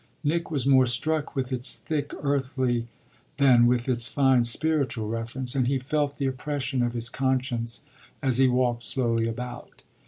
Nick was more struck with its thick earthly than with its fine spiritual reference, and he felt the oppression of his conscience as he walked slowly about.